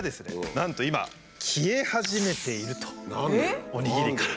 なんと今消え始めているとおにぎりから。